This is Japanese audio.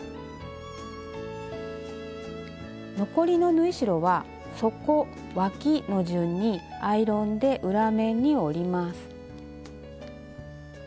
残りの縫い代は底わきの順にアイロンで裏面に折ります。